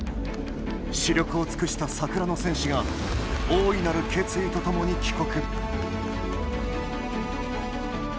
死力を尽くした桜の戦士が大いなる決意とともに帰国。